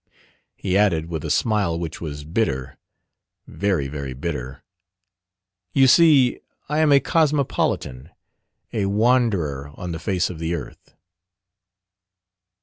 He added with a smile which was bitter, very very bitter: "You see I am a cosmopolitan, a wanderer on the face of the earth."